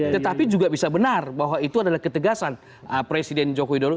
tetapi juga bisa benar bahwa itu adalah ketegasan presiden joko widodo